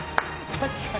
確かに。